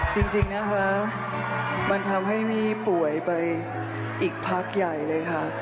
จริงนะคะมันทำให้มี่ป่วยไปอีกพักใหญ่เลยค่ะ